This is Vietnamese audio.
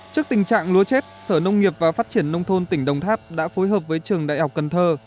trước tình trạng lúa chết sở nông nghiệp và phát triển nông thôn tỉnh đồng tháp đã phối hợp với trường đại học cần thơ